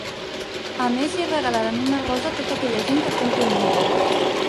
A més hi regalaran una rosa a tota aquella gent que compri un llibre.